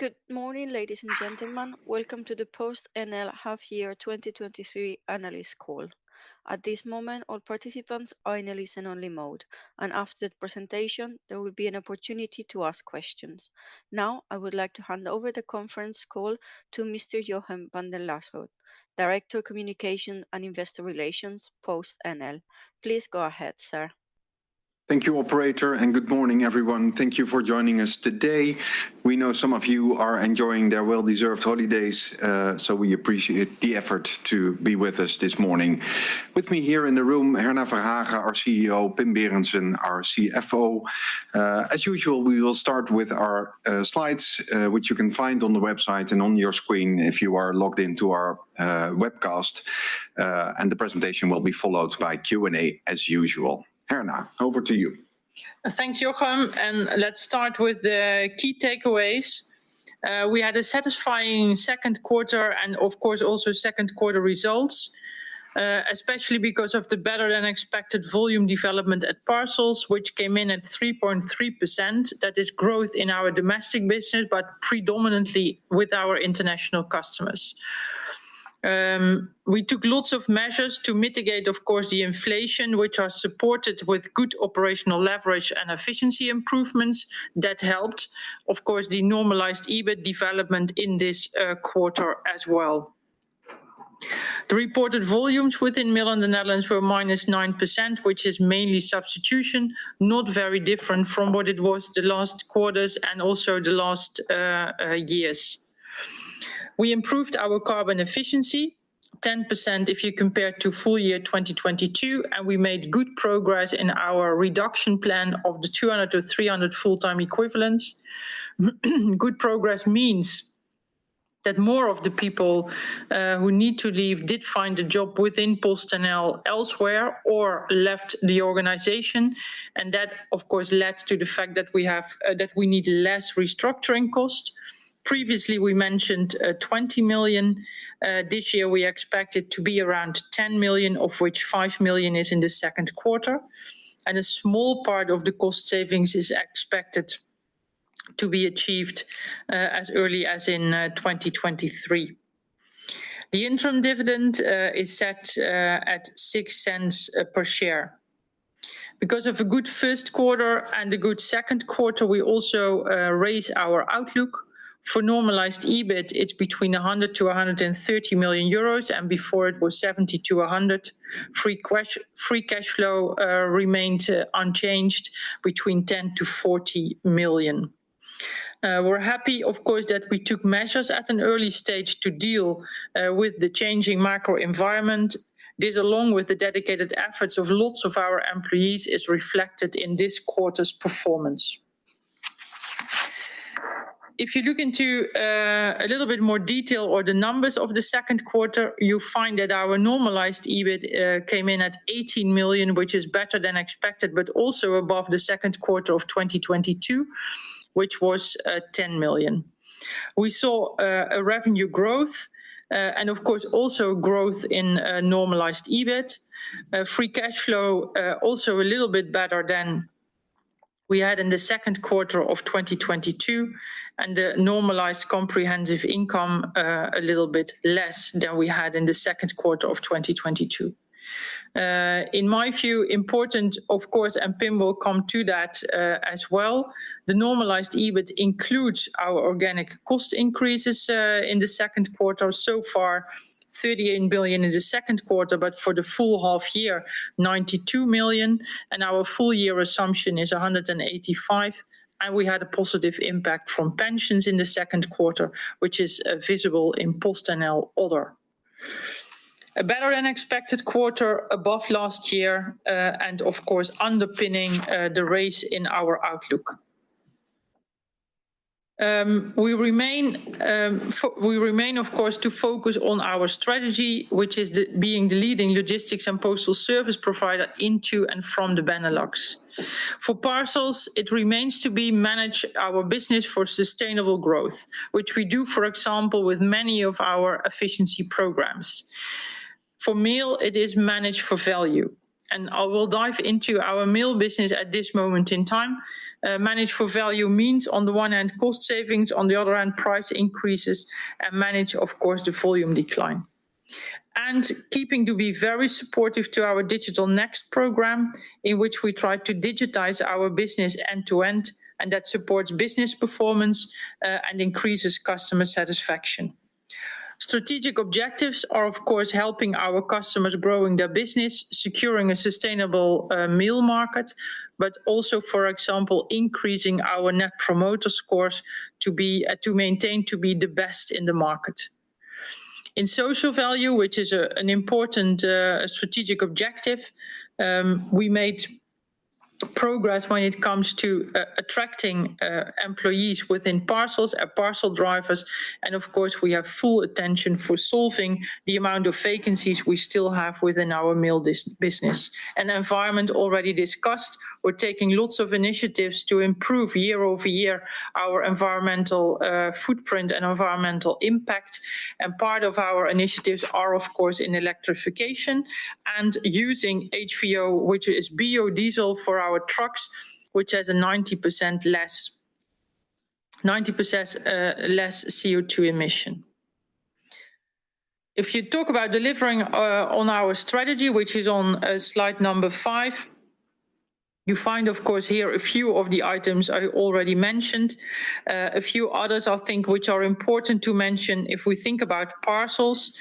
Good morning, ladies and gentlemen. Welcome to the PostNL half year 2023 analyst call. At this moment, all participants are in a listen-only mode. After the presentation, there will be an opportunity to ask questions. Now, I would like to hand over the conference call to Mr. Jochem van den Lasbroek, Director of Communication and Investor Relations, PostNL. Please go ahead, sir. Thank you, operator, and good morning, everyone. Thank you for joining us today. We know some of you are enjoying their well-deserved holidays, so we appreciate the effort to be with us this morning. With me here in the room, Herna Verhagen, our CEO, Pim Berendsen, our CFO. As usual, we will start with our slides, which you can find on the website and on your screen if you are logged into our webcast, and the presentation will be followed by Q&A as usual. Herna, over to you. Thanks, Jochem, let's start with the key takeaways. We had a satisfying second quarter, and of course, also second quarter results, especially because of the better-than-expected volume development at parcels, which came in at 3.3%. That is growth in our domestic business, but predominantly with our international customers. We took lots of measures to mitigate, of course, the inflation, which are supported with good operational leverage and efficiency improvements. That helped, of course, the normalized EBIT development in this quarter as well. The reported volumes within mail in the Netherlands were minus 9%, which is mainly substitution, not very different from what it was the last quarters and also the last years. We improved our carbon efficiency 10% if you compare to full year 2022, and we made good progress in our reduction plan of the 200-300 full-time equivalents. Good progress means that more of the people who need to leave did find a job within PostNL elsewhere or left the organization, that, of course, leads to the fact that we need less restructuring costs. Previously, we mentioned 20 million. This year we expect it to be around 10 million, of which 5 million is in the second quarter. A small part of the cost savings is expected to be achieved as early as in 2023. The interim dividend is set at 0.06 per share. Because of a good first quarter and a good second quarter, we also raise our outlook. For normalized EBIT, it's between 100 million-130 million euros, and before it was 70 million-100 million. Free cash flow remained unchanged between 10 million-40 million. We're happy, of course, that we took measures at an early stage to deal with the changing macro environment. This, along with the dedicated efforts of lots of our employees, is reflected in this quarter's performance. If you look into a little bit more detail or the numbers of the second quarter, you find that our normalized EBIT came in at 18 million, which is better than expected, but also above the second quarter of 2022, which was 10 million. We saw a revenue growth and of course, also growth in normalized EBIT. Free cash flow also a little bit better than we had in the second quarter of 2022, and the normalized comprehensive income a little bit less than we had in the second quarter of 2022. In my view, important, of course, and Pim will come to that as well, the normalized EBIT includes our organic cost increases in the second quarter. So far, 38 million in the second quarter, but for the full half year, 92 million, and our full year assumption is 185 million, and we had a positive impact from pensions in the second quarter, which is visible in PostNL other. A better-than-expected quarter above last year, and of course, underpinning the raise in our outlook. We remain, we remain, of course, to focus on our strategy, which is being the leading logistics and postal service provider into and from the Benelux. For parcels, it remains to be manage our business for sustainable growth, which we do, for example, with many of our efficiency programs. For mail, it is manage for value, and I will dive into our mail business at this moment in time. Manage for value means, on the one hand, cost savings, on the other hand, price increases, and manage, of course, the volume decline. Keeping to be very supportive to our Digital Next program, in which we try to digitize our business end-to-end, and that supports business performance and increases customer satisfaction. Strategic objectives are, of course, helping our customers growing their business, securing a sustainable mail market, but also, for example, increasing our net promoter scores to be to maintain to be the best in the market. In social value, which is an important strategic objective, we made progress when it comes to attracting employees within parcels, parcel drivers, and of course, we have full attention for solving the amount of vacancies we still have within our mail business. Environment already discussed, we're taking lots of initiatives to improve year-over-year our environmental footprint and environmental impact, and part of our initiatives are, of course, in electrification and using HVO, which is biodiesel, for our trucks, which has a 90% less, 90% less CO2 emission. If you talk about delivering on our strategy, which is on slide number 5, you find, of course, here a few of the items I already mentioned. A few others, I think, which are important to mention, if we think about parcels,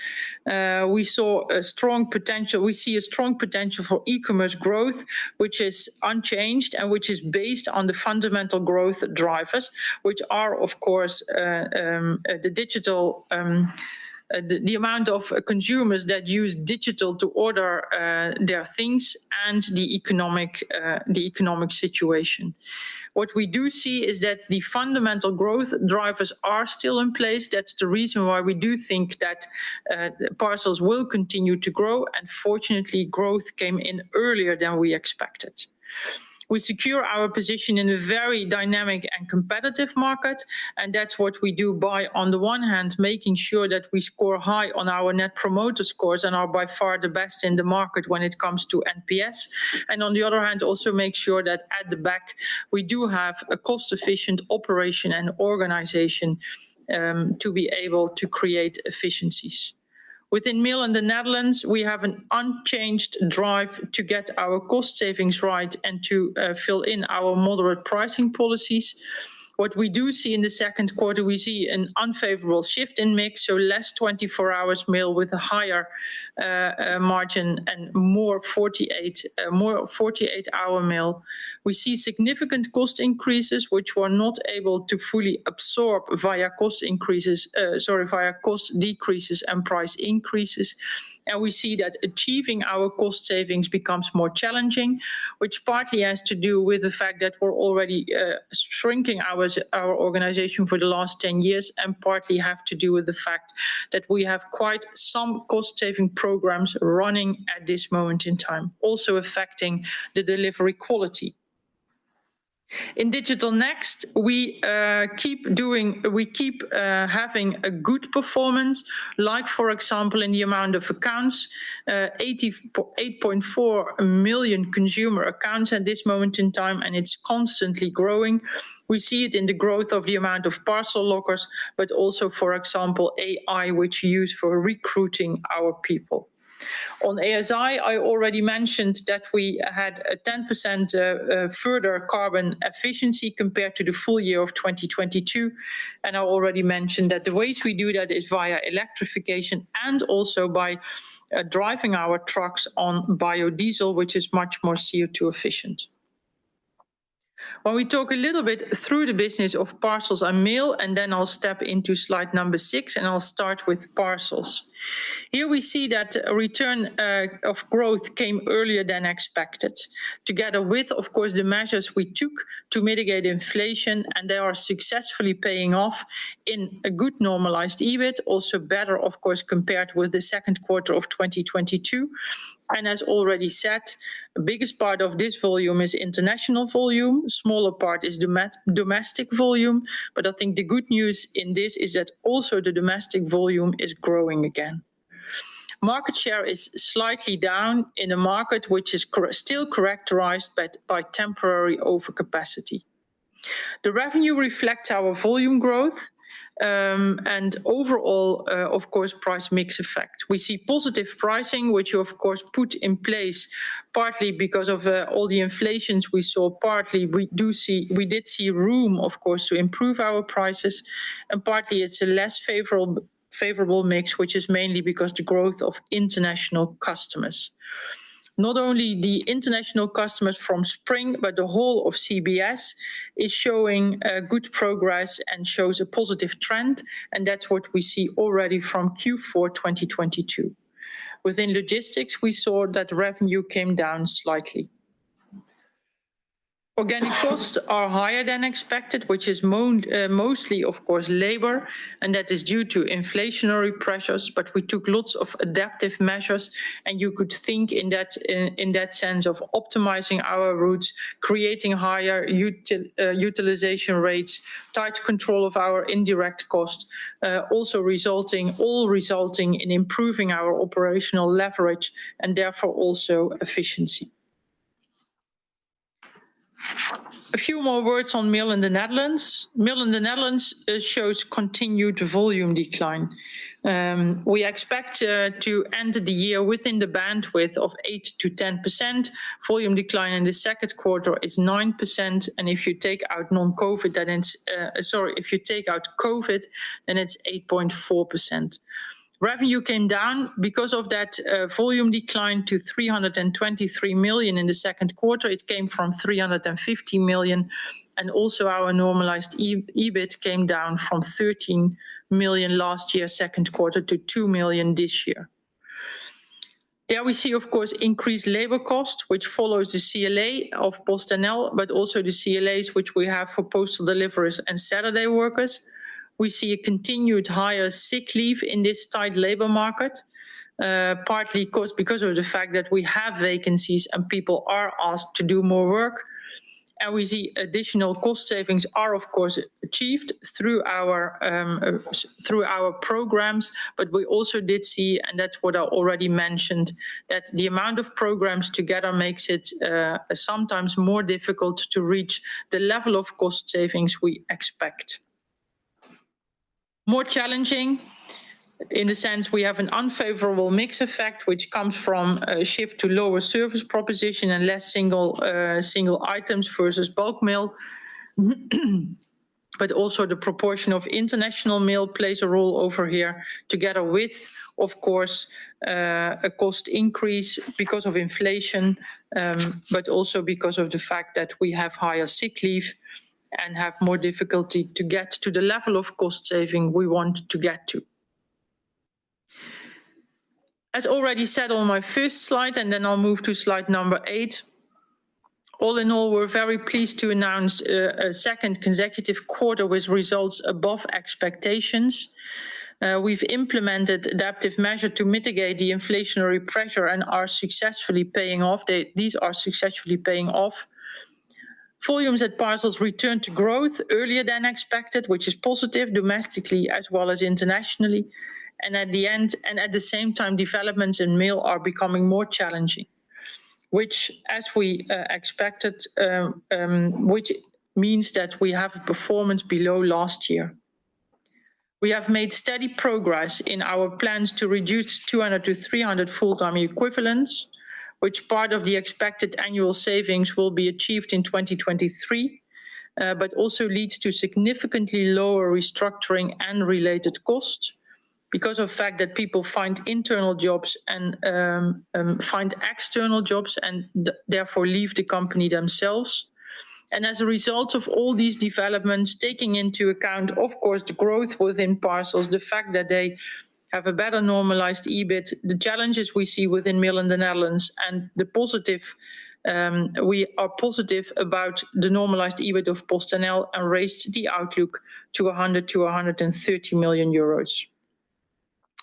we saw a strong potential- we see a strong potential for e-commerce growth, which is unchanged, and which is based on the fundamental growth drivers, which are, of course, the digital, the, the amount of consumers that use digital to order their things and the economic, the economic situation. What we do see is that the fundamental growth drivers are still in place. That's the reason why we do think that parcels will continue to grow, and fortunately, growth came in earlier than we expected. We secure our position in a very dynamic and competitive market, that's what we do by, on the one hand, making sure that we score high on our net promoter scores and are by far the best in the market when it comes to NPS. On the other hand, also make sure that at the back, we do have a cost-efficient operation and organization to be able to create efficiencies. Within Mail in the Netherlands, we have an unchanged drive to get our cost savings right and to fill in our moderate pricing policies. What we do see in the second quarter, we see an unfavorable shift in mix, so less 24-hour mail with a higher margin and more 48, more 48-hour mail. We see significant cost increases, which we're not able to fully absorb via cost increases... Sorry, via cost decreases and price increases. We see that achieving our cost savings becomes more challenging, which partly has to do with the fact that we're already shrinking our organization for the last 10 years, and partly have to do with the fact that we have quite some cost-saving programs running at this moment in time, also affecting the delivery quality. In Digital Next, we keep having a good performance, like, for example, in the amount of accounts, 8.4 million consumer accounts at this moment in time, and it's constantly growing. We see it in the growth of the amount of parcel lockers, but also, for example, AI, which we use for recruiting our people. On ASI, I already mentioned that we had a 10% further carbon efficiency compared to the full year of 2022. I already mentioned that the ways we do that is via electrification and also by driving our trucks on biodiesel, which is much more CO2 efficient. Well, we talk a little bit through the business of parcels and mail. Then I'll step into slide number 6. I'll start with parcels. Here we see that a return of growth came earlier than expected, together with, of course, the measures we took to mitigate inflation. They are successfully paying off in a good normalized EBIT, also better, of course, compared with the second quarter of 2022. As already said, the biggest part of this volume is international volume. Smaller part is domestic volume. I think the good news in this is that also the domestic volume is growing again. Market share is slightly down in a market which is still characterized by temporary overcapacity. The revenue reflects our volume growth, and overall, of course, price mix effect. We see positive pricing, which we, of course, put in place, partly because of all the inflations we saw. Partly, we did see room, of course, to improve our prices, and partly it's a less favorable mix, which is mainly because the growth of international customers. Not only the international customers from Spring, but the whole of CBS is showing good progress and shows a positive trend, and that's what we see already from Q4 2022. Within logistics, we saw that revenue came down slightly. Organic costs are higher than expected, which is mostly, of course, labor. That is due to inflationary pressures. We took lots of adaptive measures. You could think in that sense of optimizing our routes, creating higher utilization rates, tight control of our indirect costs, all resulting in improving our operational leverage and, therefore, also efficiency. A few more words on Mail in the Netherlands. Mail in the Netherlands shows continued volume decline. We expect to end the year within the bandwidth of 8%-10%. Volume decline in the second quarter is 9%, and if you take out non-COVID, that is... Sorry, if you take out COVID, then it's 8.4%. Revenue came down because of that volume decline to 323 million in the second quarter. It came from 350 million, and also our normalized EBIT came down from 13 million last year, second quarter, to 2 million this year. There we see, of course, increased labor costs, which follows the CLA of PostNL, but also the CLAs, which we have for postal deliveries and Saturday workers. We see a continued higher sick leave in this tight labor market, partly because, because of the fact that we have vacancies and people are asked to do more work. We see additional cost savings are, of course, achieved through our through our programs, but we also did see, and that's what I already mentioned, that the amount of programs together makes it sometimes more difficult to reach the level of cost savings we expect. More challenging in the sense we have an unfavorable mix effect, which comes from a shift to lower service proposition and less single single items versus bulk mail. Also the proportion of international mail plays a role over here, together with, of course, a cost increase because of inflation, but also because of the fact that we have higher sick leave and have more difficulty to get to the level of cost saving we want to get to. As already said on my first slide, and then I'll move to slide 8, all in all, we're very pleased to announce a second consecutive quarter with results above expectations. We've implemented adaptive measure to mitigate the inflationary pressure and are successfully paying off these are successfully paying off. Volumes at parcels returned to growth earlier than expected, which is positive domestically as well as internationally. At the same time, developments in mail are becoming more challenging, which as we expected, which means that we have a performance below last year. We have made steady progress in our plans to reduce 200-300 full-time equivalents, which part of the expected annual savings will be achieved in 2023, but also leads to significantly lower restructuring and related costs because of the fact that people find internal jobs and find external jobs and therefore leave the company themselves. As a result of all these developments, taking into account, of course, the growth within parcels, the fact that they have a better normalized EBIT, the challenges we see within mail in the Netherlands, and the positive, we are positive about the normalized EBIT of PostNL and raised the outlook to 100 million-130 million euros.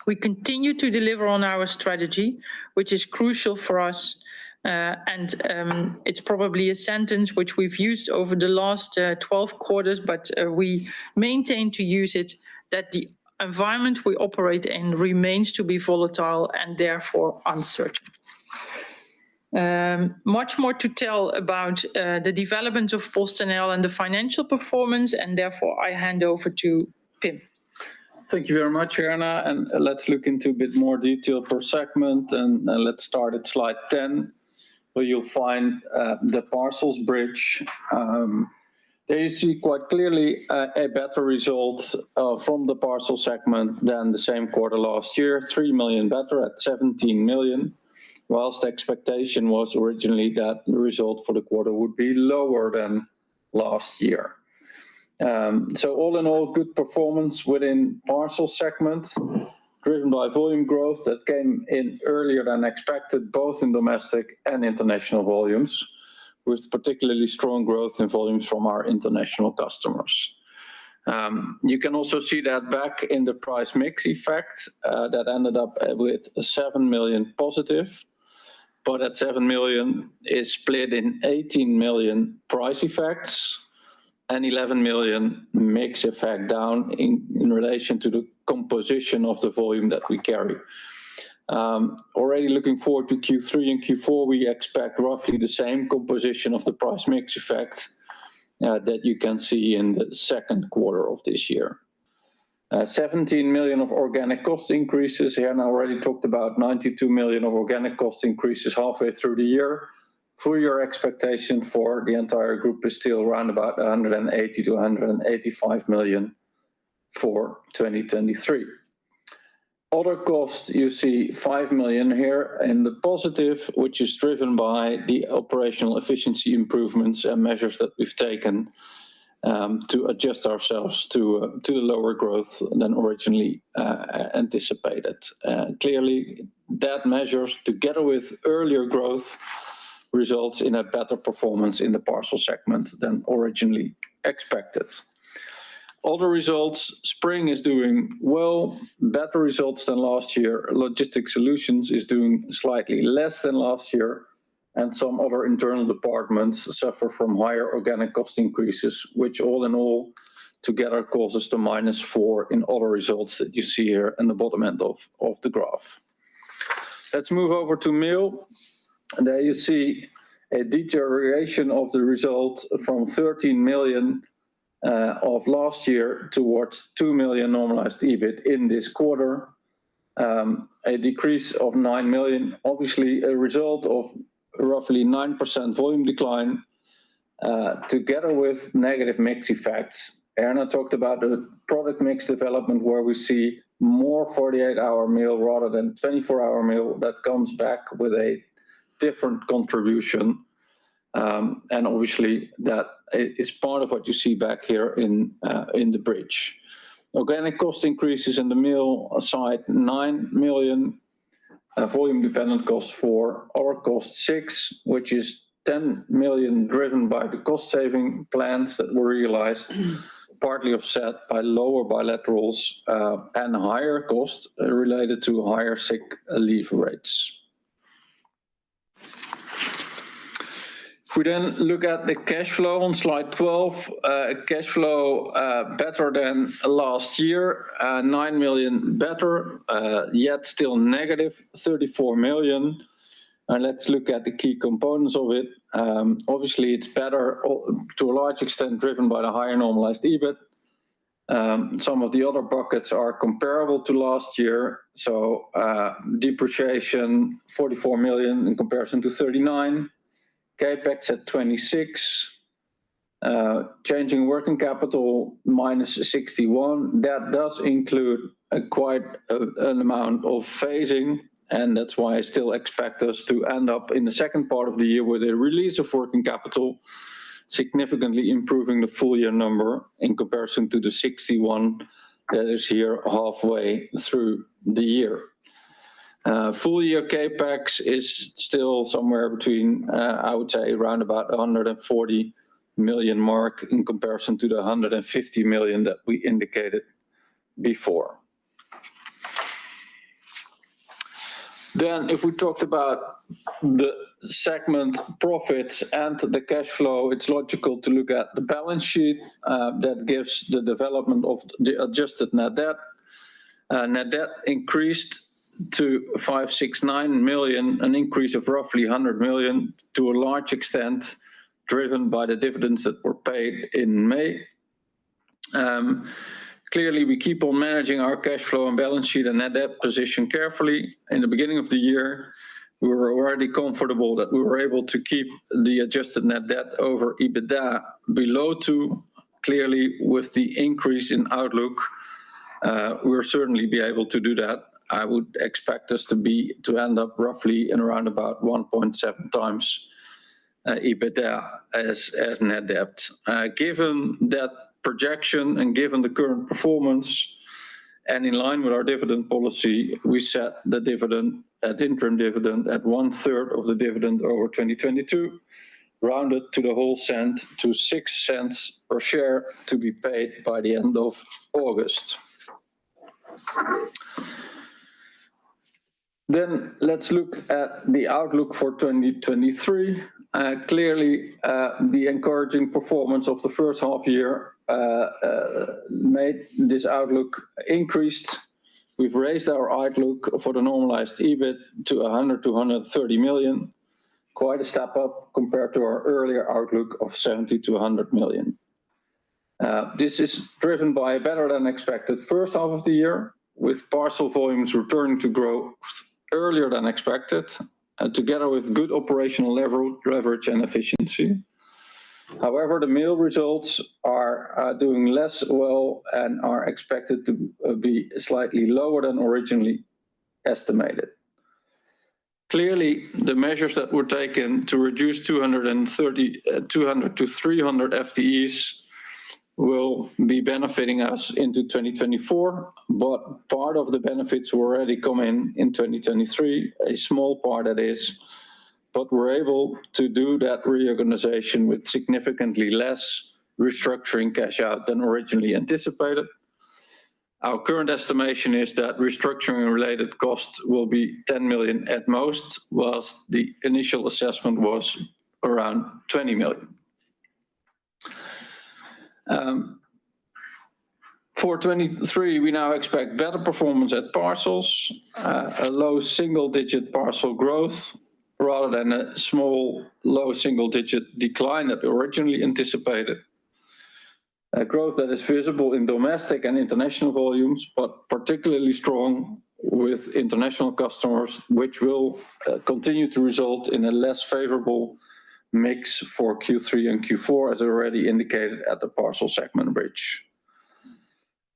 We continue to deliver on our strategy, which is crucial for us, and it's probably a sentence which we've used over the last 12 quarters, but we maintain to use it, that the environment we operate in remains to be volatile, and therefore uncertain. Much more to tell about the development of PostNL and the financial performance, and therefore I hand over to Pim. Thank you very much, Herna, let's look into a bit more detail per segment, and let's start at slide 10, where you'll find the parcels bridge. There you see quite clearly a better result from the parcel segment than the same quarter last year, 3 million better at 17 million, whilst expectation was originally that the result for the quarter would be lower than last year. All in all, good performance within parcel segment, driven by volume growth that came in earlier than expected, both in domestic and international volumes, with particularly strong growth in volumes from our international customers. You can also see that back in the price mix effect, that ended up with 7 million positive, but that 7 million is split in 18 million price effects and 11 million mix effect down in, in relation to the composition of the volume that we carry. Already looking forward to Q3 and Q4, we expect roughly the same composition of the price mix effect that you can see in the second quarter of this year. 17 million of organic cost increases, Herna already talked about 92 million of organic cost increases halfway through the year. Full year expectation for the entire group is still around about 180 million-185 million for 2023. Other costs, you see 5 million here in the positive, which is driven by the operational efficiency improvements and measures that we've taken to adjust ourselves to a lower growth than originally anticipated. Clearly, that measures, together with earlier growth, results in a better performance in the parcel segment than originally expected. Other results, Spring is doing well, better results than last year. Logistic Solutions is doing slightly less than last year. Some other internal departments suffer from higher organic cost increases, which all in all together causes the -4 in other results that you see here in the bottom end of the graph. Let's move over to Mail. There you see a deterioration of the results from 13 million of last year towards 2 million normalized EBIT in this quarter. A decrease of 9 million, obviously a result of roughly 9% volume decline, together with negative mix effects. Rianne talked about the product mix development, where we see more 48-hour mail rather than 24-hour mail. That comes back with a different contribution, obviously, that is part of what you see back here in the bridge. Organic cost increases in the Mail side, 9 million, volume-dependent cost, 4, our cost, 6, which is 10 million, driven by the cost-saving plans that were realized, partly offset by lower bilaterals, and higher costs related to higher sick leave rates. If we then look at the cash flow on slide 12, cash flow better than last year, 9 million better, yet still negative 34 million. Let's look at the key components of it. Obviously, it's better or to a large extent, driven by the higher normalized EBIT. Some of the other buckets are comparable to last year, depreciation 44 million in comparison to 39 million, CapEx at 26 million, changing working capital -61 million. That does include a quite an amount of phasing, and that's why I still expect us to end up in the second part of the year with a release of working capital, significantly improving the full year number in comparison to the 61 million that is here halfway through the year. Full year CapEx is still somewhere between, I would say around about a 140 million mark in comparison to the 150 million that we indicated before. If we talked about the segment profits and the cash flow, it's logical to look at the balance sheet, that gives the development of the adjusted net debt. Net debt increased to 569 million, an increase of roughly 100 million, to a large extent, driven by the dividends that were paid in May. Clearly, we keep on managing our cash flow and balance sheet and net debt position carefully. In the beginning of the year, we were already comfortable that we were able to keep the adjusted net debt over EBITDA below two. Clearly, with the increase in outlook, we'll certainly be able to do that. I would expect us to end up roughly in around about 1.7 times EBITDA as net debt. Given that projection and given the current performance, in line with our dividend policy, we set the dividend, that interim dividend at one-thrid of the dividend over 2022, rounded to the whole cent, to 0.06 per share, to be paid by the end of August. Let's look at the outlook for 2023. Clearly, the encouraging performance of the first half year made this outlook increased. We've raised our outlook for the normalized EBIT to 100 million-130 million, quite a step up compared to our earlier outlook of 70 million-100 million. This is driven by a better-than-expected first half of the year, with parcel volumes returning to growth earlier than expected, together with good operational leverage and efficiency. The Mail results are doing less well and are expected to be slightly lower than originally estimated. Clearly, the measures that were taken to reduce 200-300 FTEs will be benefiting us into 2024, part of the benefits were already coming in 2023, a small part that is. We're able to do that reorganization with significantly less restructuring cash out than originally anticipated. Our current estimation is that restructuring-related costs will be 10 million at most, whilst the initial assessment was around 20 million. For 2023, we now expect better performance at Parcels, a low single-digit Parcel growth, rather than a small, low single-digit decline that we originally anticipated. A growth that is visible in domestic and international volumes, but particularly strong with international customers, which will, continue to result in a less favorable mix for Q3 and Q4, as already indicated at the Parcel segment brief.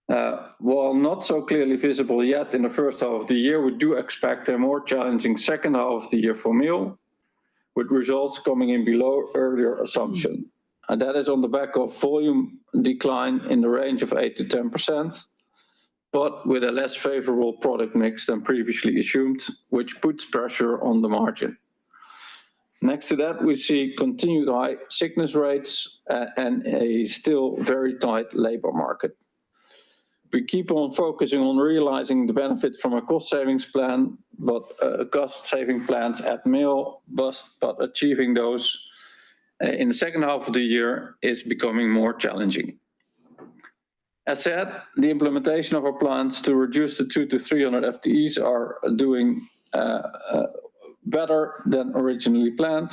While not so clearly visible yet in the first half of the year, we do expect a more challenging second half of the year for Mail, with results coming in below earlier assumption. That is on the back of volume decline in the range of 8%-10%, but with a less favorable product mix than previously assumed, which puts pressure on the margin. Next to that, we see continued high sickness rates and a still very tight labor market. We keep on focusing on realizing the benefit from a cost savings plan, but cost saving plans at Mail, but achieving those in the second half of the year is becoming more challenging. As said, the implementation of our plans to reduce the 200-300 FTEs are doing better than originally planned,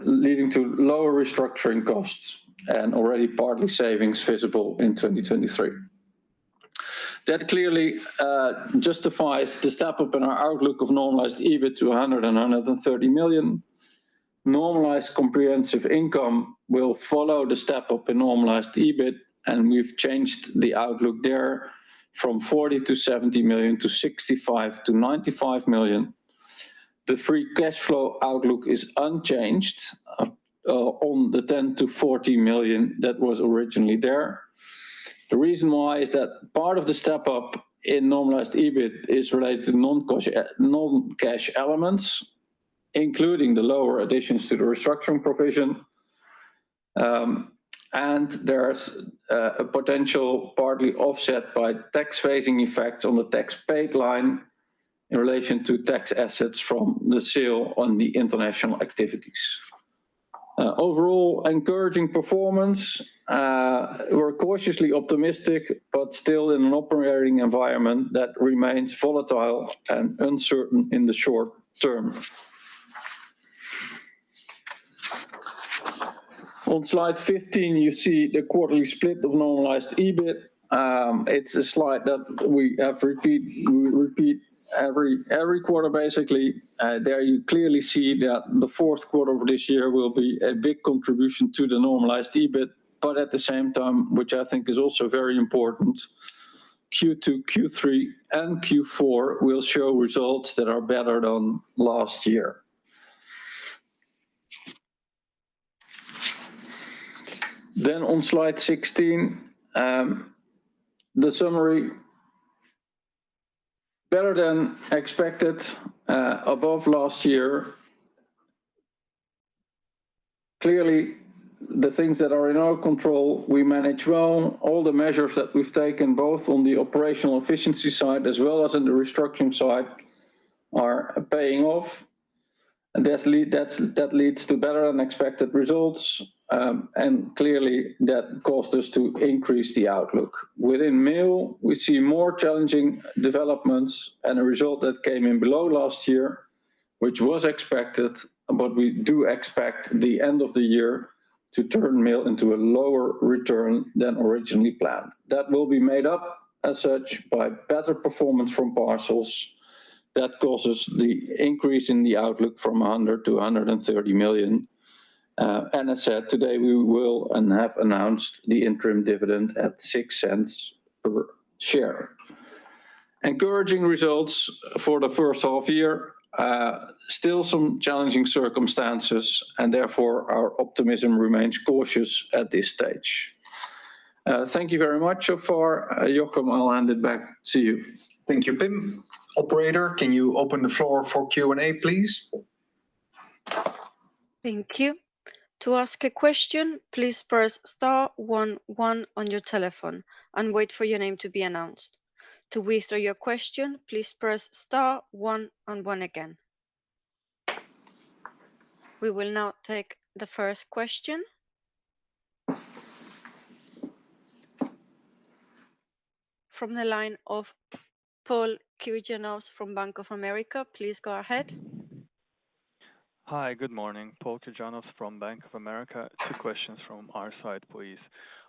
leading to lower restructuring costs and already partly savings visible in 2023. That clearly justifies the step-up in our outlook of Normalized EBIT to 130 million. Normalized comprehensive income will follow the step-up in Normalized EBIT, and we've changed the outlook there from 40 million-70 million to 65 million-95 million. The free cash flow outlook is unchanged on the 10 million-40 million that was originally there. The reason why is that part of the step-up in normalized EBIT is related to noncash, non-cash elements, including the lower additions to the restructuring provision. There's a potential partly offset by tax phasing effects on the tax paid line in relation to tax assets from the sale on the international activities.... overall encouraging performance, we're cautiously optimistic, but still in an operating environment that remains volatile and uncertain in the short term. On slide 15, you see the quarterly split of normalized EBIT. It's a slide that we have repeat, we repeat every, every quarter, basically. There you clearly see that the fourth quarter of this year will be a big contribution to the normalized EBIT. At the same time, which I think is also very important, Q2, Q3, and Q4 will show results that are better than last year. On slide 16, the summary, better than expected, above last year. Clearly, the things that are in our control, we manage well. All the measures that we've taken, both on the operational efficiency side as well as in the restructuring side, are paying off, and that leads to better-than-expected results. Clearly, that caused us to increase the outlook. Within Mail, we see more challenging developments and a result that came in below last year, which was expected. We do expect the end of the year to turn Mail into a lower return than originally planned. That will be made up as such by better performance from Parcels. That causes the increase in the outlook from 100 million to 130 million. I said today, we will and have announced the interim dividend at 0.06 per share. Encouraging results for the first half year, still some challenging circumstances, and therefore, our optimism remains cautious at this stage. Thank you very much so far. Jochem, I'll hand it back to you. Thank you, Pim. Operator, can you open the floor for Q&A, please? Thank you. To ask a question, please press star 11 on your telephone and wait for your name to be announced. To withdraw your question, please press star one and one again. We will now take the 1st question from the line of Paul Kirjanos from Bank of America. Please go ahead. Hi, good morning. Paul Kirjanovs from Bank of America. Two questions from our side, please.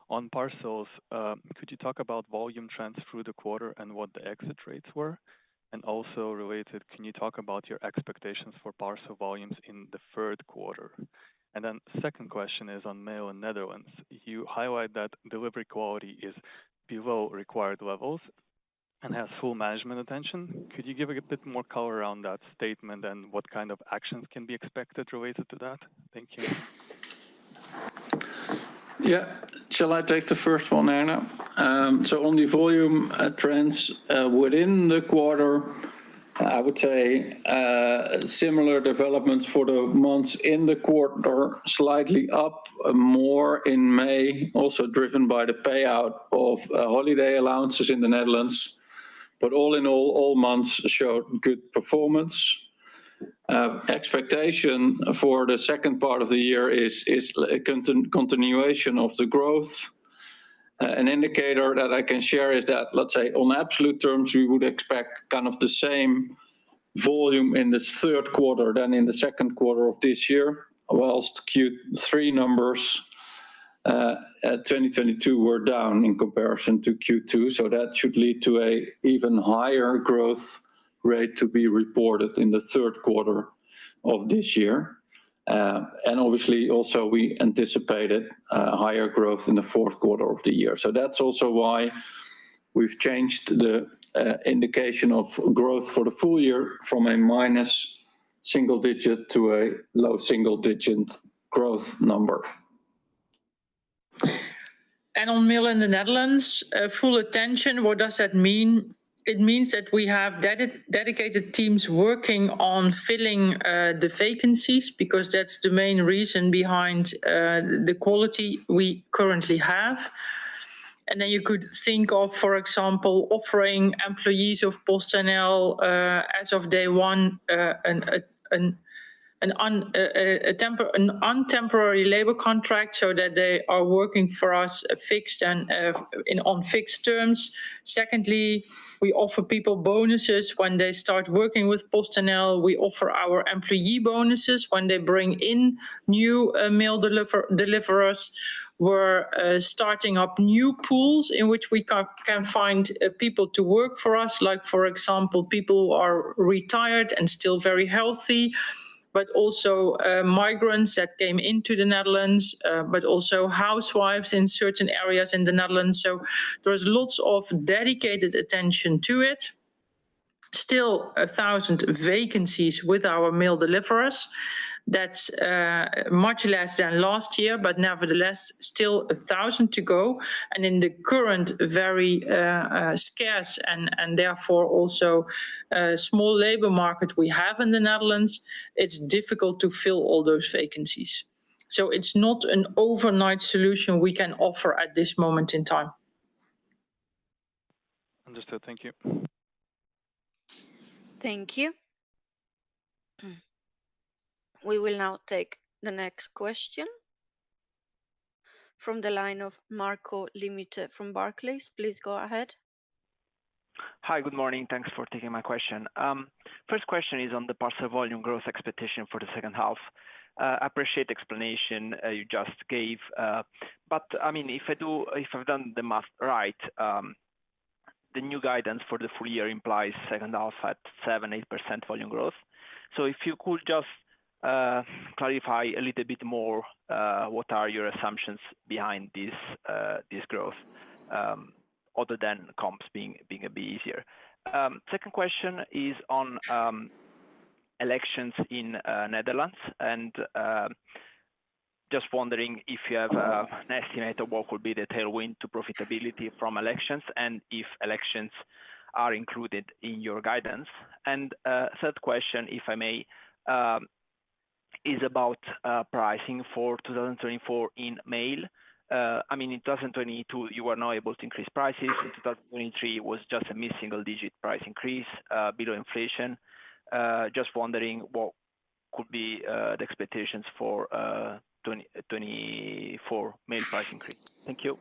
On Parcels, could you talk about volume trends through the quarter and what the exit rates were? Also related, can you talk about your expectations for Parcel volumes in the third quarter? Then second question is on Mail in Netherlands. You highlight that delivery quality is below required levels and has full management attention. Could you give a bit more color around that statement and what kind of actions can be expected related to that? Thank you. Yeah. Shall I take the first one, Herna? On the volume trends within the quarter, I would say similar developments for the months in the quarter are slightly up, more in May, also driven by the payout of holiday allowances in the Netherlands. All in all, all months showed good performance. Expectation for the second part of the year is a continuation of the growth. An indicator that I can share is that, let's say, on absolute terms, we would expect kind of the same volume in this third quarter than in the second quarter of this year, whilst Q3 numbers at 2022 were down in comparison to Q2. That should lead to a even higher growth rate to be reported in the third quarter of this year. Obviously, also, we anticipated higher growth in the fourth quarter of the year. That's also why we've changed the indication of growth for the full year from a -single digit to a low single-digit growth number. On Mail in the Netherlands, full attention, what does that mean? It means that we have dedicated teams working on filling the vacancies, because that's the main reason behind the quality we currently have. You could think of, for example, offering employees of PostNL as of day one an untemporary labor contract so that they are working for us fixed and in on fixed terms. Secondly, we offer people bonuses when they start working with PostNL. We offer our employee bonuses when they bring in new mail deliverers. We're starting up new pools in which we can, can find people to work for us, like for example, people who are retired and still very healthy, but also migrants that came into the Netherlands, but also housewives in certain areas in the Netherlands. There is lots of dedicated attention to it. Still, 1,000 vacancies with our mail deliverers. That's much less than last year, but nevertheless, still 1,000 to go. In the current, very scarce and, and therefore, also small labor market we have in the Netherlands, it's difficult to fill all those vacancies. It's not an overnight solution we can offer at this moment in time. Just to thank you. Thank you. We will now take the next question from the line of Marco Limite from Barclays. Please go ahead. Hi, good morning. Thanks for taking my question. First question is on the parcel volume growth expectation for the second half. I appreciate the explanation you just gave. I mean, if I've done the math right, the new guidance for the full year implies second half at 7%-8% volume growth. If you could just clarify a little bit more what are your assumptions behind this growth, other than comps being a bit easier? Second question is on elections in Netherlands, just wondering if you have estimated what could be the tailwind to profitability from elections, and if elections are included in your guidance. Third question, if I may, is about pricing for 2024 in mail. I mean, in 2022, you were not able to increase prices. In 2023, it was just a mid-single digit price increase, below inflation. Just wondering what could be the expectations for 2024 mail price increase? Thank you.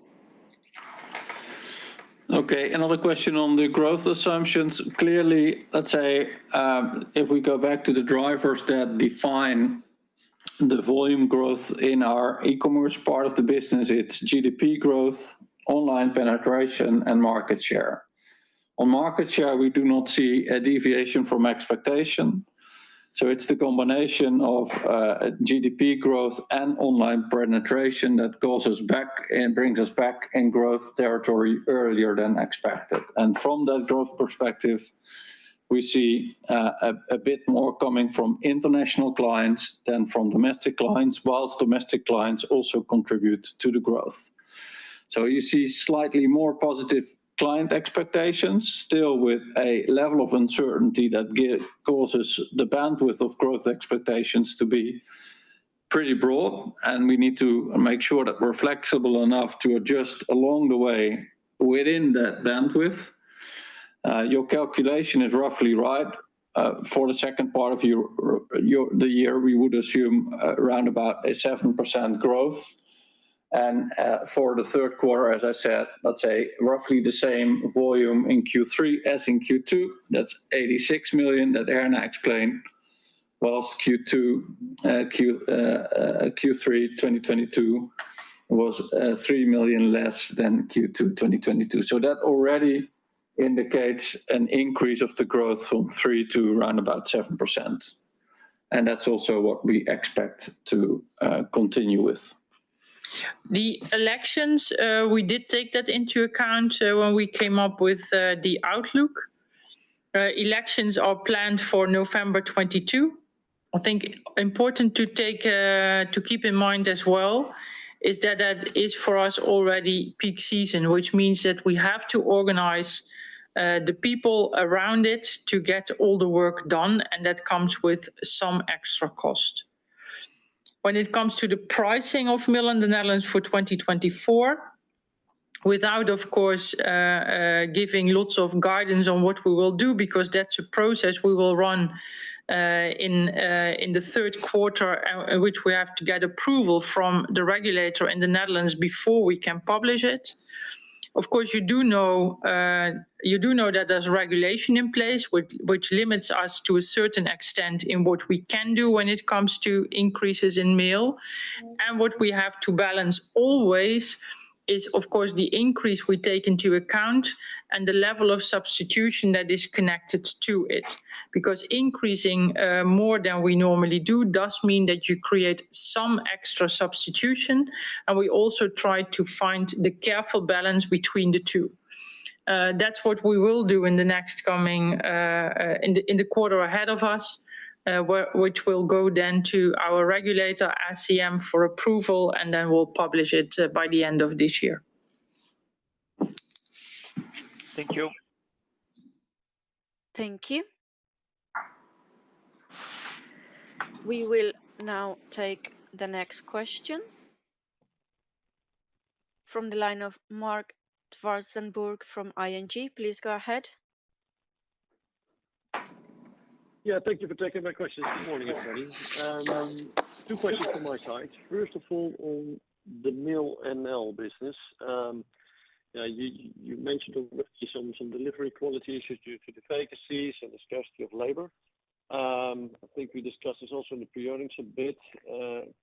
Okay, another question on the growth assumptions. Clearly, if we go back to the drivers that define the volume growth in our e-commerce part of the business, it's GDP growth, online penetration, and market share. On market share, we do not see a deviation from expectation, so it's the combination of GDP growth and online penetration that causes and brings us back in growth territory earlier than expected. From that growth perspective, we see a bit more coming from international clients than from domestic clients, while domestic clients also contribute to the growth. You see slightly more positive client expectations, still with a level of uncertainty that causes the bandwidth of growth expectations to be pretty broad, and we need to make sure that we're flexible enough to adjust along the way within that bandwidth. Your calculation is roughly right. For the second part of your the year, we would assume around about a 7% growth. For the third quarter, as I said, let's say roughly the same volume in Q3 as in Q2. That's 86 million that Herna explained, whilst Q2, Q3 2022 was 3 million less than Q2 2022. That already indicates an increase of the growth from 3% to around about 7%, and that's also what we expect to continue with. The elections, we did take that into account when we came up with the outlook. Elections are planned for November 22. I think important to take to keep in mind as well, is that that is, for us, already peak season, which means that we have to organize the people around it to get all the work done, and that comes with some extra cost. When it comes to the pricing of mail in the Netherlands for 2024, without, of course, giving lots of guidance on what we will do, because that's a process we will run in the third quarter, which we have to get approval from the regulator in the Netherlands before we can publish it. Of course, you do know, you do know that there's regulation in place, which, which limits us to a certain extent in what we can do when it comes to increases in mail. What we have to balance always is, of course, the increase we take into account and the level of substitution that is connected to it. Increasing, more than we normally do, does mean that you create some extra substitution, and we also try to find the careful balance between the two. That's what we will do in the next coming, in the, in the quarter ahead of us, which will go then to our regulator, ACM, for approval, and then we'll publish it by the end of this year. Thank you. Thank you. We will now take the next question from the line of Mark Zwartsenburg from ING. Please go ahead. Yeah, thank you for taking my question. Good morning, everybody. Two questions on my side. First of all, on the Mail NL business. You mentioned already some delivery quality issues due to the vacancies and the scarcity of labor. I think we discussed this also in the pre-earnings a bit.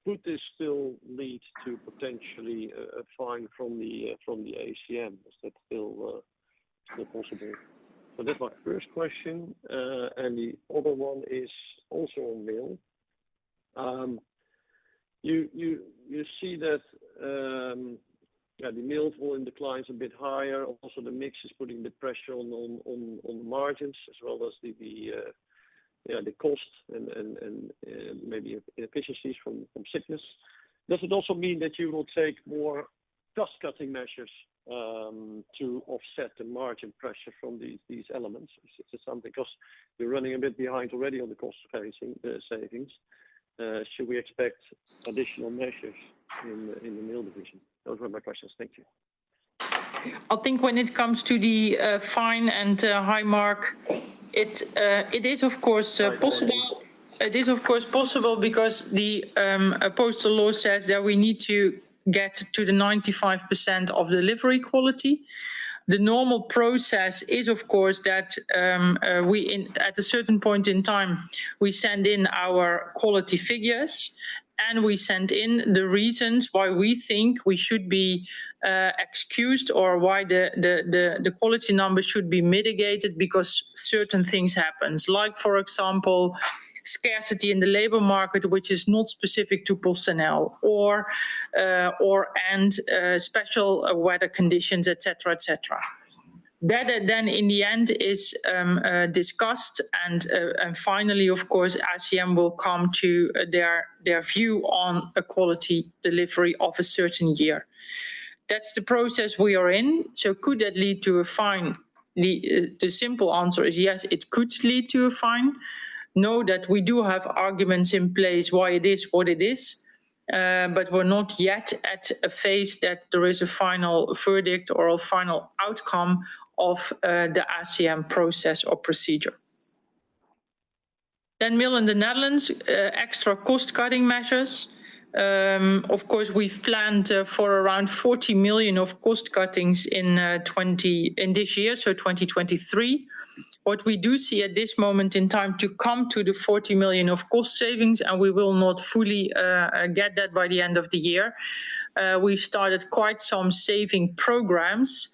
Could this still lead to potentially a fine from the ACM? Is that still possible? That's my first question. The other one is also on mail. You see that the mail volume declines a bit higher. Also, the mix is putting the pressure on the margins as well as the cost and maybe efficiencies from sickness. Does it also mean that you will take more cost-cutting measures to offset the margin pressure from these, these elements? Is this something... Because you're running a bit behind already on the cost-saving savings.... should we expect additional measures in the, in the Mail division? Those were my questions. Thank you. I think when it comes to the, fine and, hi, Mark, it, it is of course possible- Sorry. It is, of course, possible because the postal law says that we need to get to the 95% of delivery quality. The normal process is, of course, that at a certain point in time, we send in our quality figures, and we send in the reasons why we think we should be excused or why the, the, the, the quality numbers should be mitigated because certain things happens. Like, for example, scarcity in the labor market, which is not specific to PostNL, or, and special weather conditions, et cetera, et cetera. That then in the end is discussed, and finally, of course, ACM will come to their, their view on a quality delivery of a certain year. That's the process we are in. Could that lead to a fine? The, the simple answer is yes, it could lead to a fine. Know that we do have arguments in place why it is what it is, but we're not yet at a phase that there is a final verdict or a final outcome of the ACM process or procedure. Mail in the Netherlands, extra cost-cutting measures. Of course, we've planned for around 40 million of cost cuttings in this year, so 2023. What we do see at this moment in time to come to the 40 million of cost savings, and we will not fully get that by the end of the year. We've started quite some saving programs,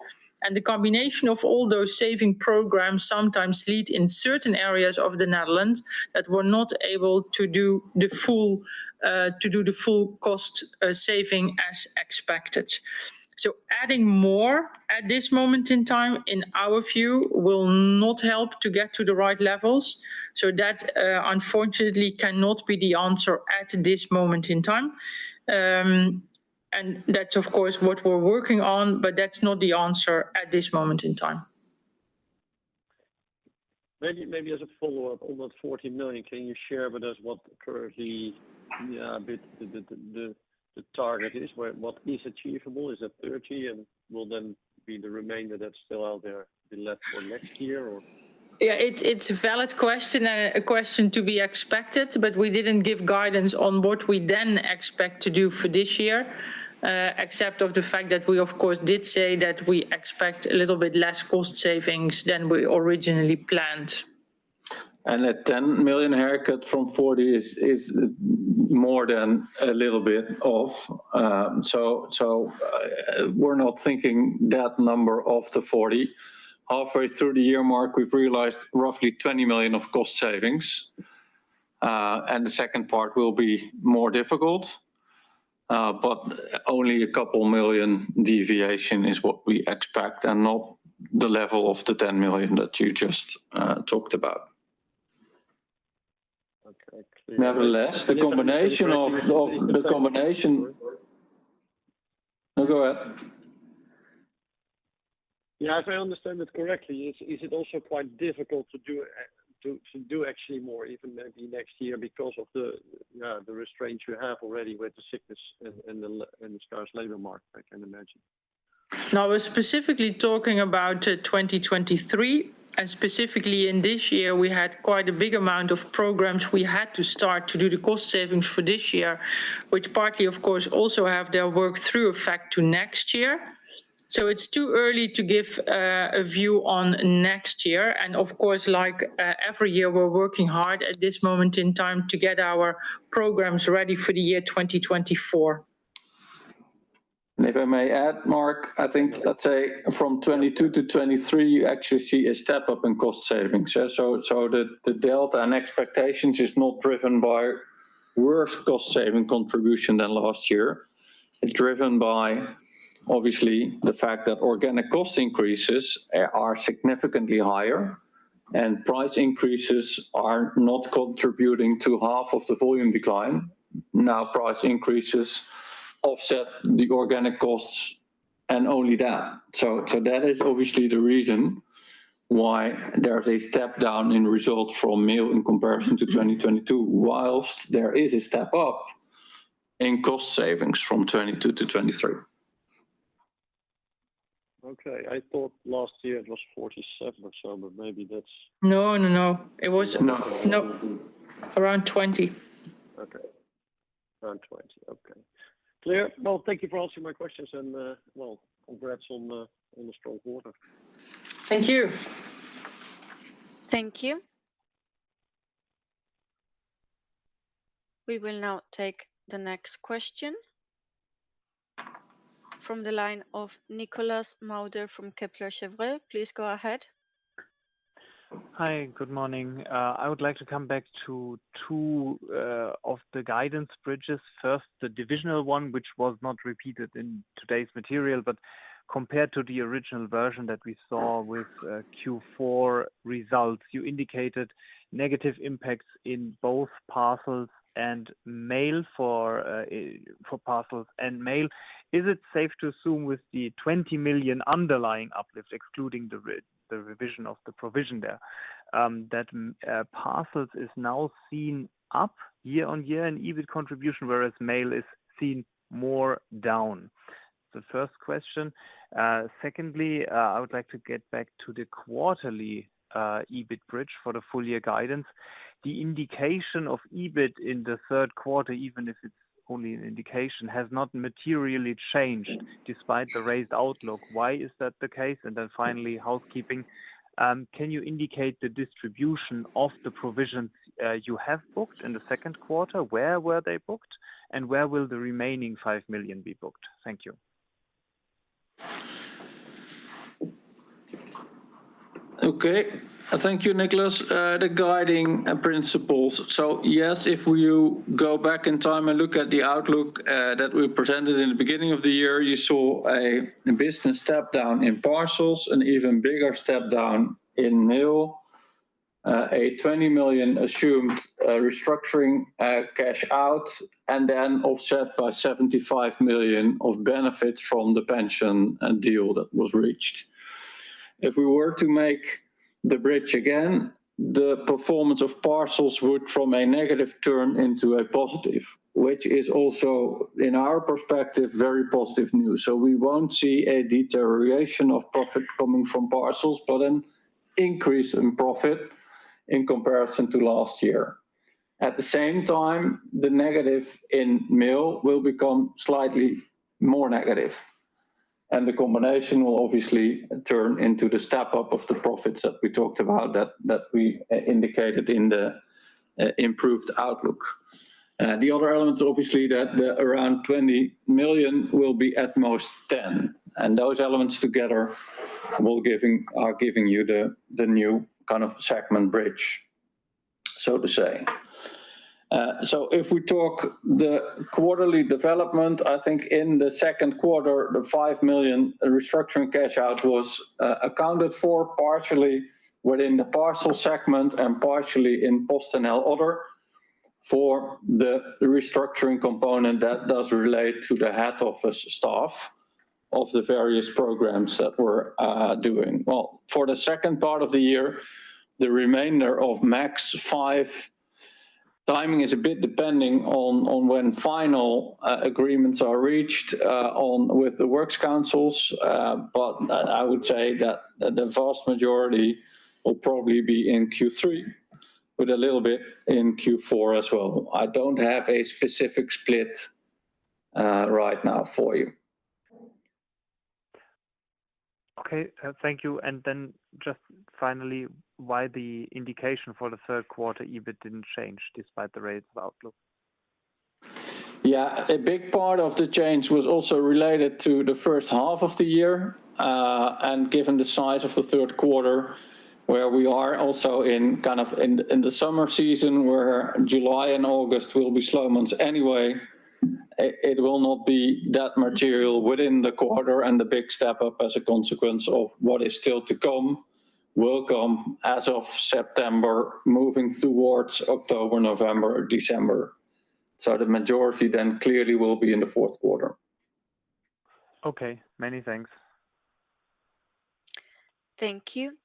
the combination of all those saving programs sometimes lead in certain areas of the Netherlands that we're not able to do the full, to do the full cost, saving as expected. Adding more at this moment in time, in our view, will not help to get to the right levels, so that, unfortunately cannot be the answer at this moment in time. That's, of course, what we're working on, but that's not the answer at this moment in time. Maybe, maybe as a follow-up on that 40 million, can you share with us what currently, the, the, the, the, the target is? What is achievable? Is it 30 million, and will then be the remainder that's still out there be left for next year, or? It's, it's a valid question, and a question to be expected, but we didn't give guidance on what we then expect to do for this year. Except of the fact that we, of course, did say that we expect a little bit less cost savings than we originally planned. That 10 million haircut from 40 million is more than a little bit of, we're not thinking that number of the 40 million. Halfway through the year, Mark, we've realized roughly 20 million of cost savings. The second part will be more difficult, but only a 2 million deviation is what we expect, and not the level of the 10 million that you just talked about. Okay, clear. Nevertheless, the combination of the combination. No, go ahead. Yeah, if I understand it correctly, is, is it also quite difficult to do to, to do actually more, even maybe next year, because of the restraints you have already with the sickness in the scarce labor market, I can imagine? Now, we're specifically talking about 2023. Specifically in this year, we had quite a big amount of programs we had to start to do the cost savings for this year, which partly, of course, also have their work-through effect to next year. It's too early to give a view on next year. Of course, like every year, we're working hard at this moment in time to get our programs ready for the year 2024. If I may add, Mark, I think, let's say from 2022 to 2023, you actually see a step-up in cost savings. Yeah, so the delta and expectations is not driven by worse cost-saving contribution than last year. It's driven by, obviously, the fact that organic cost increases are significantly higher, and price increases are not contributing to half of the volume decline. Now, price increases offset the organic costs and only that. So that is obviously the reason why there is a step down in results from Mail in comparison to 2022, whilst there is a step up in cost savings from 2022 to 2023. Okay. I thought last year it was 47 or so, but maybe that's- No, no, no, it was- No. No. Around 20. Okay. Around 20, okay. Clear. Well, thank you for answering my questions, and, well, congrats on the, on the strong quarter. Thank you. Thank you. We will now take the next question from the line of Nicholas Mader from Kepler Cheuvreux. Please go ahead. Hi, good morning. I would like to come back to two of the guidance bridges. First, the divisional one, which was not repeated in today's material, but compared to the original version that we saw with Q4 results, you indicated negative impacts in both parcels and mail for parcels and mail. Is it safe to assume with the 20 million underlying uplifts, excluding the re- the revision of the provision there, that parcels is now seen up year-on-year and EBIT contribution, whereas mail is seen more down. The first question. Secondly, I would like to get back to the quarterly EBIT bridge for the full year guidance. The indication of EBIT in the third quarter, even if it's only an indication, has not materially changed despite the raised outlook. Why is that the case? Finally, housekeeping, can you indicate the distribution of the provisions you have booked in the second quarter? Where were they booked, and where will the remaining 5 million be booked? Thank you. Okay. Thank you, Nicholas. The guiding principles. Yes, if you go back in time and look at the outlook that we presented in the beginning of the year, you saw a business step down in parcels, an even bigger step down in mail, a 20 million assumed restructuring cash out, and then offset by 75 million of benefits from the pension and deal that was reached. If we were to make the bridge again, the performance of parcels would from a negative turn into a positive, which is also, in our perspective, very positive news. We won't see a deterioration of profit coming from parcels, but an increase in profit in comparison to last year. At the same time, the negative in mail will become slightly more negative, the combination will obviously turn into the step-up of the profits that we talked about that, that we indicated in the improved outlook. The other element, obviously, that the around 20 million will be at most 10 million, and those elements together are giving you the, the new kind of segment bridge, so to say. If we talk the quarterly development, I think in the second quarter, the 5 million restructuring cash out was accounted for partially within the parcel segment and partially in PostNL order for the restructuring component that does relate to the head office staff of the various programs that we're doing. Well, for the second part of the year, the remainder of max five, timing is a bit depending on, on when final agreements are reached on with the works councils, but I would say that the vast majority will probably be in Q3, with a little bit in Q4 as well. I don't have a specific split right now for you. Okay, thank you. Then just finally, why the indication for the third quarter EBIT didn't change despite the rate of outlook? Yeah. A big part of the change was also related to the first half of the year, given the size of the third quarter, where we are also in kind of in the summer season, where July and August will be slow months anyway, it, it will not be that material within the quarter, the big step up as a consequence of what is still to come, will come as of September, moving towards October, November, or December. The majority then clearly will be in the fourth quarter. Okay. Many thanks. Thank you.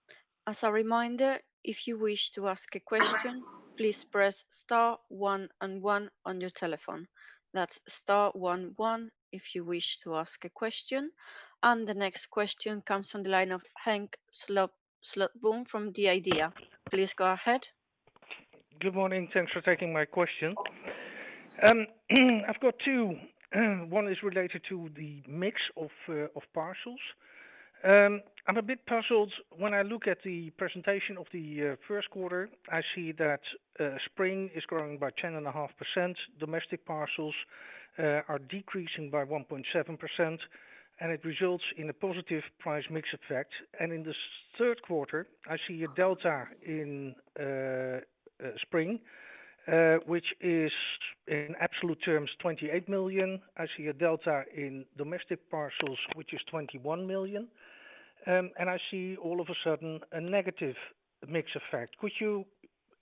As a reminder, if you wish to ask a question, please press star 1 and 1 on your telephone. That's star one, one, if you wish to ask a question. The next question comes from the line of Henk Slotboom from the Idea. Please go ahead. Good morning. Thanks for taking my question. I've got two. One is related to the mix of parcels. I'm a bit puzzled when I look at the presentation of the first quarter, I see that spring is growing by 10.5%, domestic parcels are decreasing by 1.7%, and it results in a positive price mix effect. In this third quarter, I see a delta in spring, which is in absolute terms, 28 million. I see a delta in domestic parcels, which is 21 million, and I see all of a sudden a negative mix effect. Could you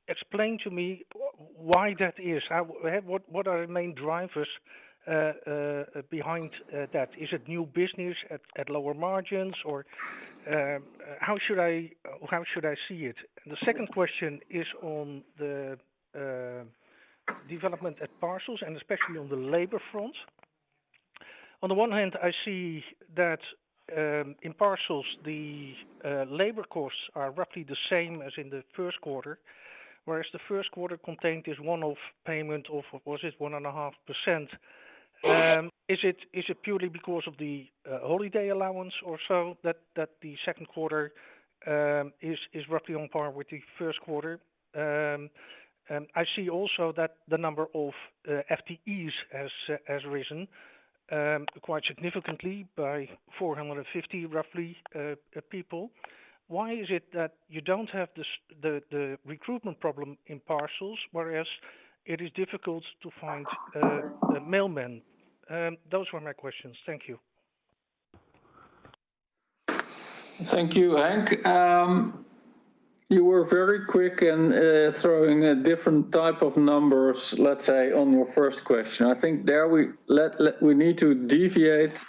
explain to me why that is? What, what are the main drivers behind that? Is it new business at, at lower margins or, how should I, how should I see it? The second question is on the development at parcels and especially on the labor front. On the one hand, I see that in parcels, the labor costs are roughly the same as in the first quarter, whereas the first quarter contained this one-off payment of, was it 1.5%? Is it, is it purely because of the holiday allowance or so that, that the second quarter is, is roughly on par with the first quarter? I see also that the number of FTEs has, has risen, quite significantly by 450, roughly, people. Why is it that you don't have the, the recruitment problem in parcels, whereas it is difficult to find the mailmen? Those were my questions. Thank you. Thank you, Henk. You were very quick in throwing a different type of numbers, let's say, on your first question. I think there we need to deviate,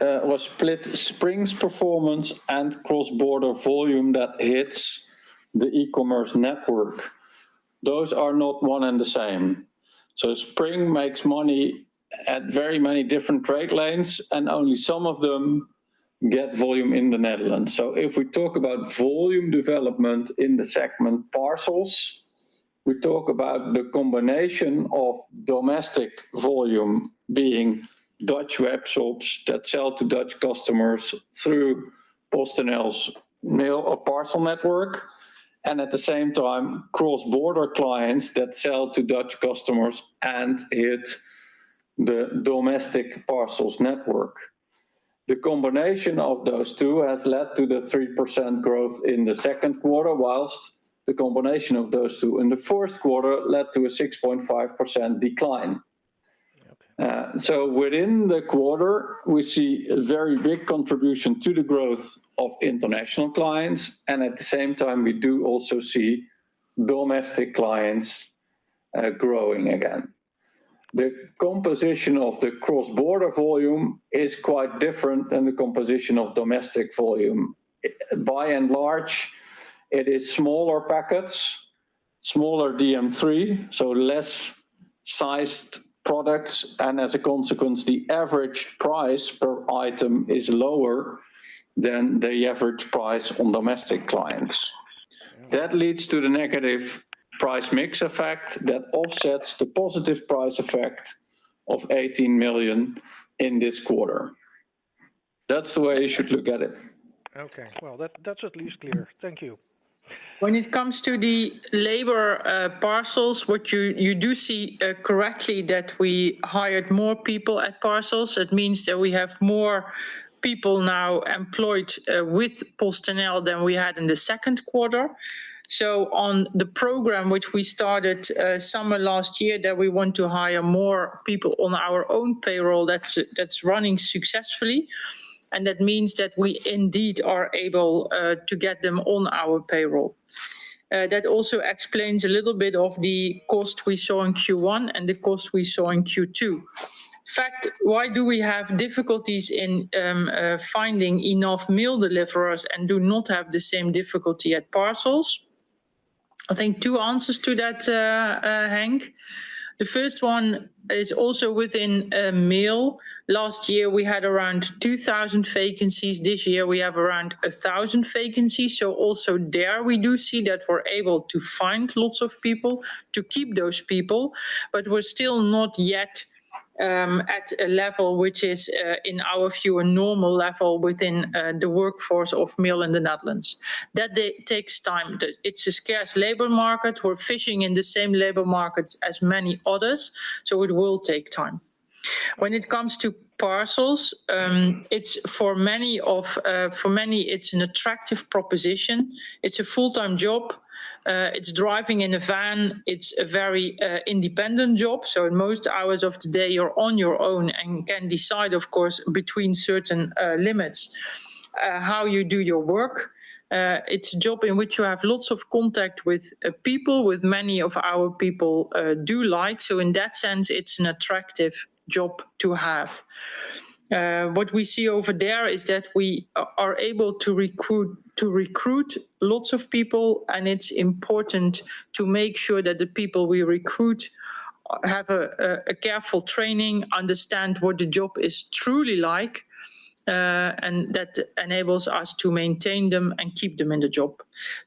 was split Spring's performance and cross-border volume that hits the e-commerce network. Those are not one and the same. Spring makes money at very many different trade lanes, and only some of them get volume in the Netherlands. If we talk about volume development in the segment parcels, we talk about the combination of domestic volume being Dutch web shops that sell to Dutch customers through PostNL's mail or parcel network, and at the same time, cross-border clients that sell to Dutch customers and hit the domestic parcels network. The combination of those two has led to the 3% growth in the second quarter, whilst the combination of those two in the fourth quarter led to a 6.5% decline. Within the quarter, we see a very big contribution to the growth of international clients, at the same time, we do also see domestic clients growing again. The composition of the cross-border volume is quite different than the composition of domestic volume. By and large, it is smaller packets, smaller DM3, so less sized products, as a consequence, the average price per item is lower than the average price on domestic clients. That leads to the negative price mix effect that offsets the positive price effect of 18 million in this quarter. That's the way you should look at it. Okay, well, that, that's at least clear. Thank you. When it comes to the labor, parcels, what you, you do see, correctly that we hired more people at parcels. It means that we have more people now employed with PostNL than we had in the second quarter. On the program, which we started summer last year, that we want to hire more people on our own payroll, that's running successfully, and that means that we indeed are able to get them on our payroll. That also explains a little bit of the cost we saw in Q1 and the cost we saw in Q2. In fact, why do we have difficulties in finding enough mail deliverers and do not have the same difficulty at parcels? I think two answers to that, Hank. The first one is also within mail. Last year, we had around 2,000 vacancies. This year, we have around 1,000 vacancies. Also there, we do see that we're able to find lots of people to keep those people, but we're still not yet at a level which is, in our view, a normal level within the workforce of mail in the Netherlands. That day takes time. It's a scarce labor market. We're fishing in the same labor markets as many others. It will take time. When it comes to parcels, it's for many of, for many, it's an attractive proposition. It's a full-time job. It's driving in a van. It's a very independent job, so in most hours of the day, you're on your own and can decide, of course, between certain limits, how you do your work. It's a job in which you have lots of contact with people, which many of our people do like. In that sense, it's an attractive job to have. What we see over there is that we are able to recruit, to recruit lots of people, and it's important to make sure that the people we recruit have a, a careful training, understand what the job is truly like, and that enables us to maintain them and keep them in the job.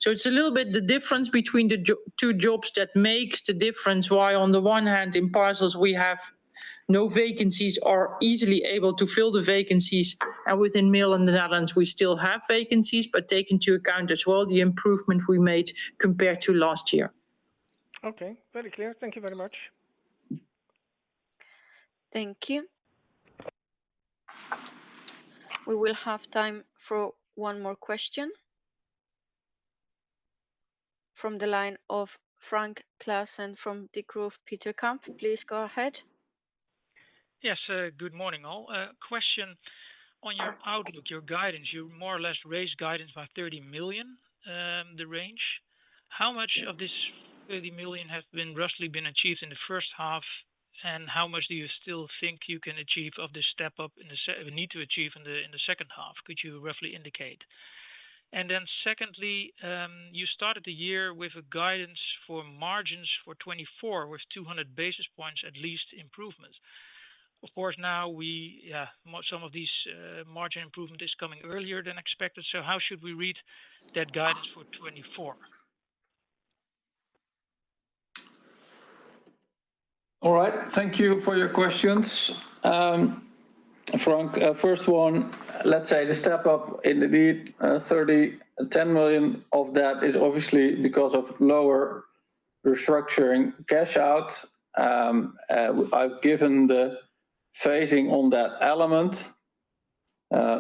It's a little bit the difference between the two jobs that makes the difference why on the one hand, in parcels, we have no vacancies or easily able to fill the vacancies, and within mail in the Netherlands, we still have vacancies, but take into account as well the improvement we made compared to last year. Okay, very clear. Thank you very much. Thank you. We will have time for one more question. From the line of Frank Klaassen from De Groane Peeterkamp, please go ahead. Yes, good morning, all. Question on your outlook, your guidance. You more or less raised guidance by 30 million, the range. How much of this 30 million has been roughly been achieved in the first half, and how much do you still think you can achieve of this step-up need to achieve in the second half? Could you roughly indicate? Then secondly, you started the year with a guidance for margins for 2024, with 200 basis points, at least improvement. Of course, now we, some of these, margin improvement is coming earlier than expected, so how should we read that guidance for 2024? All right. Thank you for your questions. Frank, first one, let's say the step-up in the beat, 30, 10 million of that is obviously because of lower restructuring cash out. I've given the phasing on that element.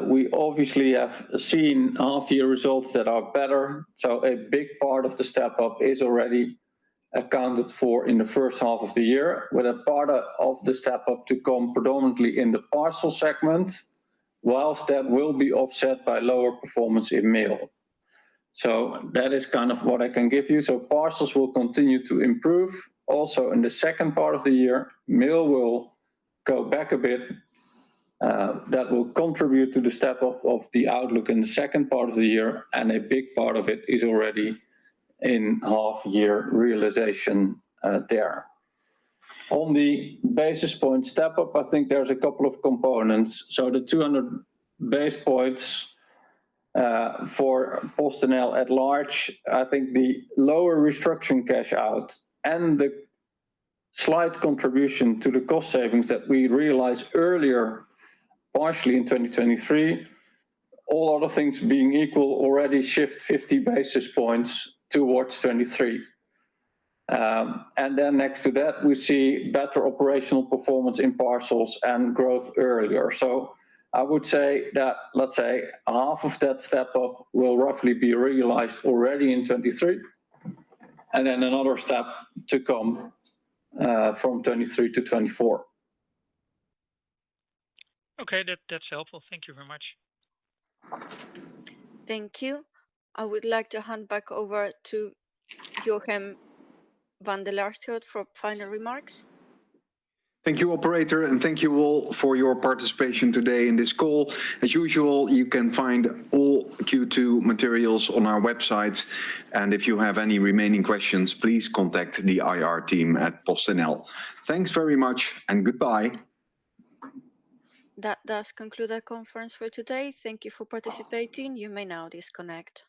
We obviously have seen half-year results that are better, a big part of the step-up is already accounted for in the first half of the year, with a part of the step-up to come predominantly in the parcel segment, whilst that will be offset by lower performance in mail. That is kind of what I can give you. Parcels will continue to improve. In the second part of the year, mail will go back a bit, that will contribute to the step-up of the outlook in the second part of the year, and a big part of it is already in half year realization there. On the basis point step-up, I think there's a couple of components. The 200 basis points for PostNL at large, I think the lower restructuring cash out and the slight contribution to the cost savings that we realized earlier, partially in 2023, all other things being equal, already shifts 50 basis points towards 2023. Next to that, we see better operational performance in parcels and growth earlier. I would say that, let's say, half of that step-up will roughly be realized already in 2023, and then another step to come from 2023 to 2024. Okay, that's helpful. Thank you very much. Thank you. I would like to hand back over to Jochem van den Lasbroek for final remarks. Thank you, operator, and thank you all for your participation today in this call. As usual, you can find all Q2 materials on our website, and if you have any remaining questions, please contact the IR team at PostNL. Thanks very much, and goodbye. That does conclude our conference for today. Thank Thank you for participating. You may now disconnect.